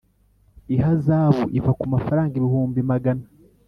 ihazabu iva ku mafaranga ibihumbi magana